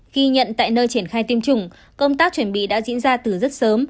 khi nhận tại nơi triển khai tiêm chủng công tác chuẩn bị đã diễn ra từ rất sớm